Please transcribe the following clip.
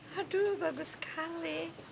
aduh bagus sekali